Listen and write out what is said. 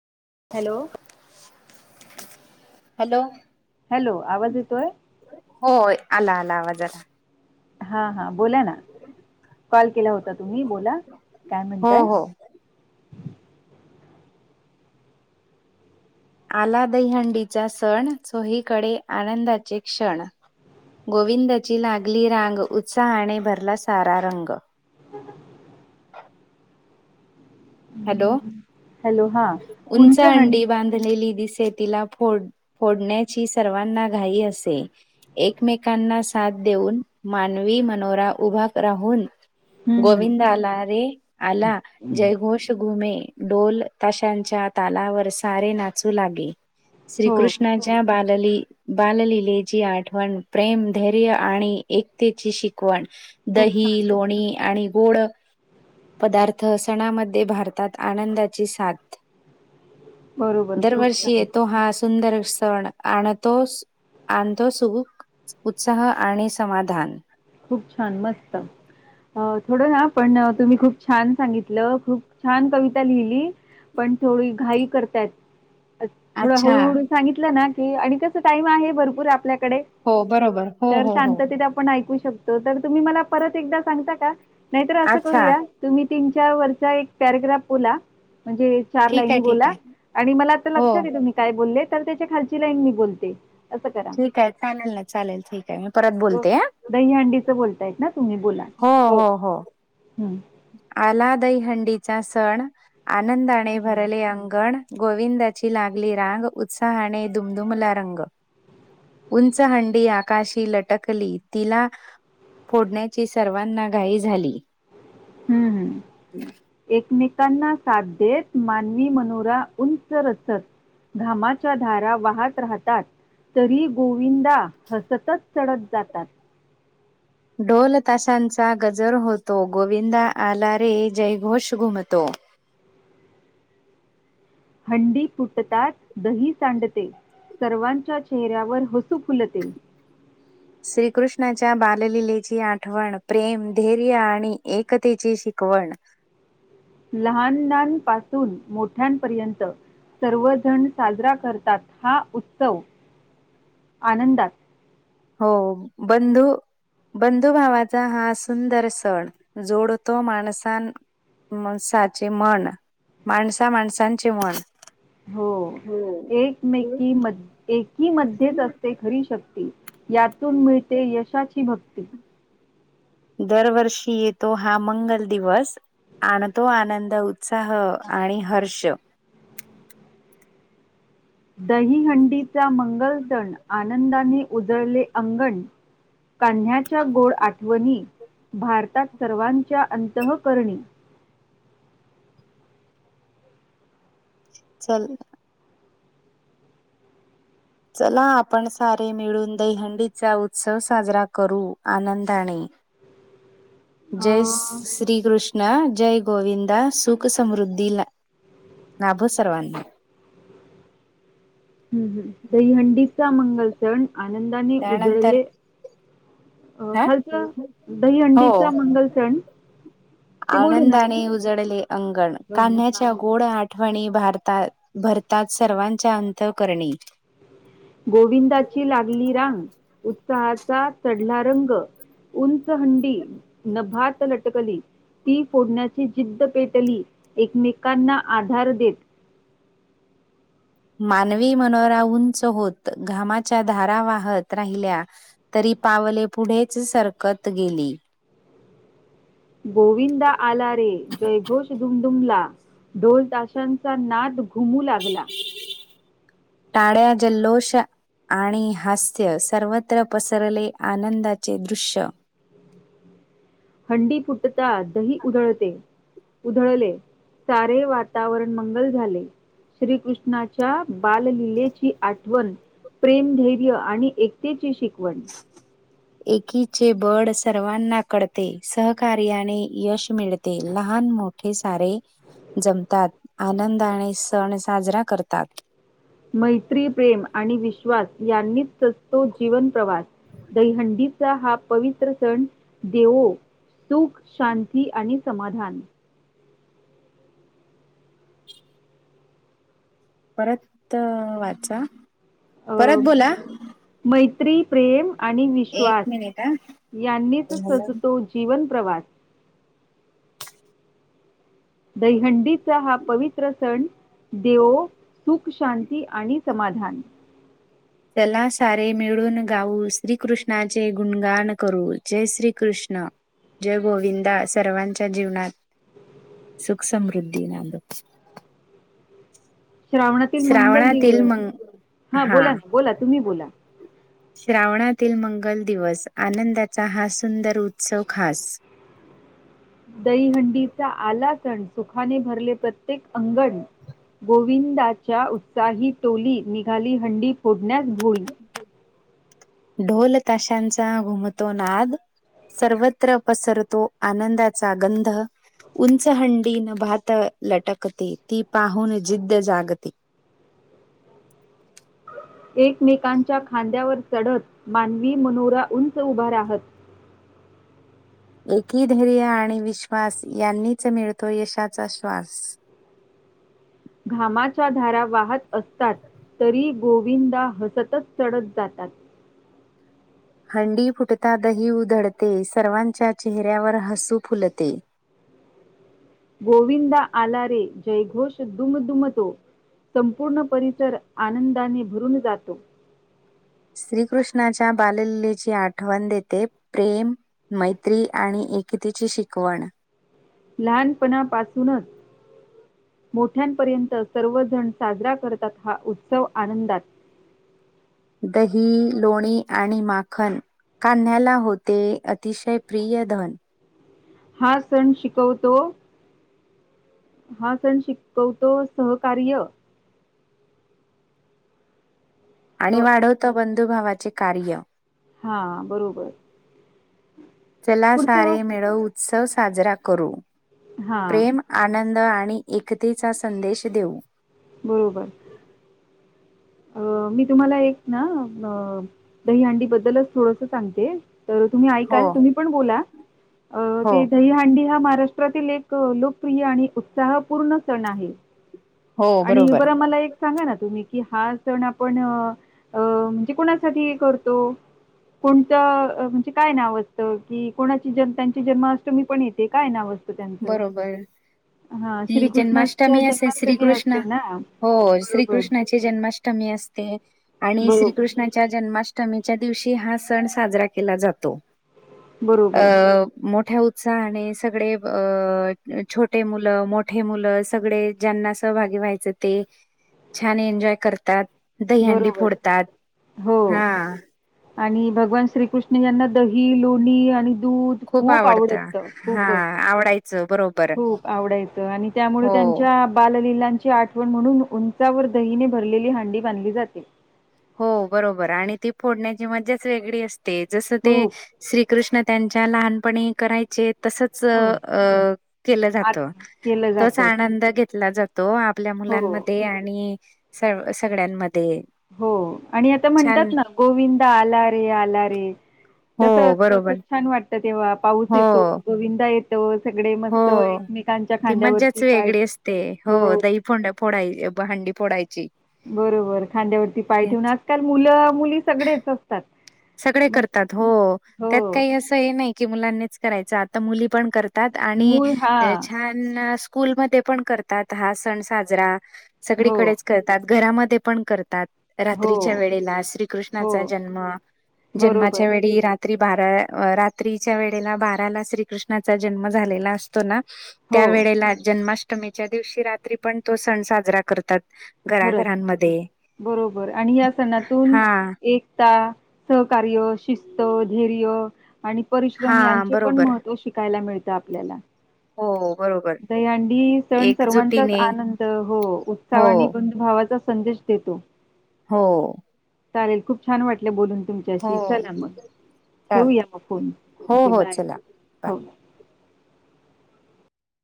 Hello. Hello. Hello आवाज येतोय? होय आला आला आवाजाला आला हां हा बोला ना, कॉल केला होता तुम्ही बोला काय हो म्हणताय? हो आला दहीहंडीचा सण, चोहीकडे आनंदाचे क्षण गोविंदाची लागली रांग, उत्साहाने भरला सारा रंग. हॅलो, हॅलो हां उंच हंडी बांध लेली दिसे, तिला फोड फोडण्याची सर्वांना घाई असे. एकमेकांना साथ देऊन, मानवी मनोरा उभा राहून हं, हं. गोविंदा आला रे आला. जयघोष घुमे, ढोल डोल ताशांच्या तालावर सारे नाचू लागे. हो श्रीकृष्णाच्या त्या बालले. बाललीलेची आठवण, प्रेम धैर्य आणि एकतेची शिकवण. खूप दही, छान लोणी आणि गोड पदार्थ सणामध्ये भात तात, आनंदाची साथ. बरोबर खूप दरवर्षी छान येतो हा सुंदर सण, आणतो आणतो सुख उत्साह आणि समाधान खूप छान मस्त. अ थोडंना पण तुम्ही खूप छान सांगितलं, खूप छान कविता लिहिली. पण थोडी घाई करतात. थोडं अच्छा हळूहळू सांगितलं ना की आणि कस टाइम आहे भरपूर आपल्याकडे हो बरोबर हो तर हो हो शांततेत आपण ऐकू शकतो. तर तुम्ही मला परत एकदा सांगता का? नाहीतर असं अच्छा करूया, तुम्ही तीन चार वर्चा एक पॅरग्राफ बोला म्हणजे चार ठीक आहे लाईनी ठीक बोला आहे आणि मला आता हो लक्षात येतं मी काय बोलले, तर त्याच्या खालची लाईन मी बोलते. असं करा. ठीक आहे चालेल ना चालेल ठीक आहे, मी परत बोलते हां. दहीहंडीचं बोलतायत ना तुम्ही? बोला. हो हो हो. हम्म. आला दहिहंडीचा सण, आनंदाने भरले अंगण. गोविंदाची लागली रांग, उत्साहाने दुमदुमला रंग. उंच हंडी आकाशी लटकली तिला फोडण्याची सर्वांना घाई झाली. हम्म. [inaudible] एकमेकांना साथ देत, मानवी मनोरा उंच रचत घामाच्या धारा वहात राहतात. तरी गोविंदा हसतच चढत जातात. ढोल तशांचा गजर होतो, गोविंदा आला रे जयघोष घुमतो. हंडी फुटताच दही सांडते. सर्वांच्या चेहऱ्यावर हसू फुलते. श्रीकृष्णाच्या बालललेची आठवण, प्रेम, धैर्य आणि एकतेची शिकवण. लहाननांपासून मोठ्यांपर्यंत सर्वजण साजरा करतात हा उत्सव आनंदात. हो बंधु बंधू भावाचा हा सण जोडतो माणसां माणसाची मान माणसा माणसांची मान. हो एकमेकी म एकीमध्येच असते खरी शक्ती. यातून मिळते यशाची भक्त दरवर्षी येतो हा मंगल दिवस आणतो आनंद, उत्साह आणि हर्ष दहीहंडीचा मंगल सण, आनंदाने उजळले अंगण कान्ह्याच्या गोड आठवणी, भारतात सर्वांच्या अंतःकरणी. चल. चला आपण सारे मिळून दहिहंडीचा उत्सव साजरा करू आनंदाने. जय अ श्री कृष् णा जय गोविंदा सुख समृद्धीला लाभो सर्वांना. हं हं दहीहंडीचा मंगल सण आनंदाने त्यानंतर उजळले अ हा खालच हो दहीहंडीचा मंगल सण ते बोलू ना आनंदाने मी? उजळले अंगण, पण हां. कान्ह्याच्या गोड आठवणी भारता भरतात सर्वांच्या अंतःकरणी. गोविंदाची लागली रांग, उत्साहाचा चढला रंग उंच हंडी नभात लटकली ती फोडण्याची जिद्द पेटली एकमेकांना आधार देत. मानवी मनोरा उंच होत घामाच्या धारा वाहत राहिल्या. तरी पावले पुढेच सरकत गेली. गोविंदा आला रे जयघोष दुमदुमला ढोल ताशांचा नाद घुमू लागला. टाळ्या जल्लोष आणि हास्य, सर्वत्र पसरले आनंदाचे दृश्य. हंडी फुटता दही उधळते उधळले, सारे वातावरण मंगल झाले. श्रीकृष्णाच्या बाललीलेची आठवण. प्रेम, धैर्य, आणि एकतेची शिकवण. एकीचे बळ सर्वांना कळते, सहकार्याने यश मिळते, लहान मोठ मोठे सारे जमतात, आनंदाने सण साजरा करतात. मैत्री, प्रेम, आणि विश्वास, यांनीच सजतो जीवन प्रवास. दहिहंडीचा हा पवित्र सण, देवो सुख, शांती, आणि समाधान. परत वाचा, परत अं, बोला मैत्री प्रेम आणि एक विश्वास, मिनिट यांनीच हा सजतो जीवन प्रवास. दहिहंडीचा हा पवित्र सण देवो सुख शांती आणि समाधान. चला सारे मिळून गाऊ, श्रीकृष्णाचे गुणगण करू, जय श्रीकृष्ण! जय गोविंदा, सर्वांच्या जीवनात सुख समृद्धी नांदो. श्रावणातील मंगल श्रावणातील दिवस, मंग हा बोला ना बोला तुम्ही बोला. श्रावणातील मंगल दिवस, आनंदाचा हा सुंदर उत्सव खास. दहीहंडीचा आला सण, सुखाने भरले प्रत्येक अंगण. गोविंदाच्या उत्साही टोली, निघाली हंडी फोडण्यास भोली. ढोल ताशांचा घुमतो नाद सर्वत्र पसरतो आनंदाचा गंध उंच हंडी नभात लटकते, ती पाहून जिद्द जागते. एकमेकांच्या खांद्यावर चढत, मानवी मनोरा उंच उभा राहत. एकी धैर्य आणि विश्वास, यांनीच मिळतो यशाचा श्वास. घामाच्या धारा वाहत असतात तरी गोविंदा हसतच चढत जातात. हंडी फुटता दही उधळते, सर्वांच्या चेहऱ्यावर हसू फुलते. गोविंदा आला रे, जयघोष दुमदुमतो. संपूर्ण परिसर आनंदाने भरून जातो. श्रीकृष्णाच्या बाल लीलेची आठवण देते प्रेम मैत्री आणि एकतेची शिकवण लहानपणापासूनच मोठ्यांपर्यंत सर्वजण साजरा करतात, हा उत्सव आनंदात. दही, लोणी, आणि माखन. कान्ह्याला होते अतिशय प्रिय धन. हा सण शिकवतो हा सण शिकवतो सहकार्य आणि ह वाढवतो बंधुभावाचे कार्य. हा बरोबर. चला पुढचं सारे मिळवू उत्सव साजरा करू, हा प्रेम आनंद आणि एकतेचा संदेश देऊ. बरोबर. अं मी एक तुम्हाला एक ना, दहीहंडी बद्दलच थोडसं सांगते तर तुम्ही हो, ऐकाल, तुम्ही पण बोला, अं हो. ते दहीहांडी हा महाराष्ट्र [unintelligible] रातील एक लोकप्रिय आणि उत्साहपूर्ण सण आहे. हो आणि बरोबर. बरं मला एक सांगा ना तुम्ही कि हा सण आपण अ म्हणजे कोणासाठी करतो? कोणतं म्हणजे काय नाव असतं कि कोणाची जन त्यांची जन्माष्टमी पण येते काय नाव असतं? त्यांच बरोबर. हा ती श्रीकृष्णाच्या जन्माष्टमी असे जन्माष्टमी अस श्रीकृष्ण असते ना हो बरोबर. श्रीकृष्णाची जन्माष्टमी असते आणि बरोबर, श्रीकृष्ण च्या जन्माष्टमीच्या दिवशी हा सण साजरा केला जातो. बरोबर, अ मोठ्या उत्साहाने सगळे अ छोटे मुलं मोठे मुलं सगळे ज्यांना सहभागी व्हायचं ते. छान एन्जॉय करतात दहीहंडी बरोबर. फोडतात हो हा. आणि भगवान श्रीकृष्ण यांना दही, लोणी आणि दूध खूप आवडतं हा आवडायचं बरोबर खूप आवडायचं आणि त्यामुळे हो, त्यांच्या बालललीलांची आठ वन म्हणून उंचावर दहीने भरलेली हंडी बांधली जाते. हो बरोबर आणि ती फोडण्याची मजाच वेगळी असते जसं ते खूप श्रीकृष्ण त्यांच्या लहानपणी करायचे तसच हो. अ केलं आत जात केलं तोच जातं. आनंद घेतला जातो. तो आपल्या हो, मुलांमध्ये आणि स सगळ्यांमध्ये हो आणि आता छान म्हणतात ना गोविंदा आला रे आला रे. हो तसं असतं खूप बरोबर. छान वाटतं तेव्हा पाऊस येतो हो, गोविंदा येतो. सगळे मस्त हो. एकमेकांच्या ती खांद्यावरती मज्जाच पाय वेगळी असते. हो, ठेवता दही फोंडा- फोडायची हंडी फोडायची. बरोबर खांद्यावरती पाय ठेवून तेच आजकाल मुलं मुली सगळेच सगळे मग करतात हो हो त्यात काही असं हे नाही की मुलांनीच करायचं आता मुली पण करता. तात आणि मूळ हा स्कूलमध्ये पण करतात हा सण साजरा. हो, सगळीकडेच करतात घरामध्ये पण करतात. हो, रात्रीच्या वेळेला हो. श्रीकृष्णाचा जन्म बरोबर जन्माच्या वेळी रा रात्री बारा रात्रीच्या वेळेला बाराला श्रीकृष्णाचा जन्म झालेला असतो ना हो त्या वेळेला जन्माष्टमीच्या दिवशी रात्री पण तो सण साजरा करतात. खरंच घराघरांमध्ये बरोबर आणि या सणातून हा एक एकता, सहकार्य, शिस्त, धैर्य आणि परिश्रम हा यांचे पण बरोबर महत्त्व शिकायला मिळतं आपल्याला. हो हो बरोबर. दहीहंडी सण सर्वांचाच एकजुटीने आनंद हो हो उत्साहाने पण भावाचा संदेश देतो. हो. चालेल खूप छान वाटलं बोलून. हो तुमच्याशी चला मग ठेवूया चालतय काय फोन हो चला हो बाय बाय हो.